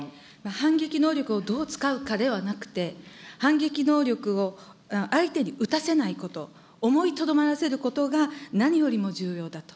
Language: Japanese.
反撃能力をどう使うかではなくて、反撃能力を相手に撃たせないこと、思いとどまらせることが何よりも重要だと。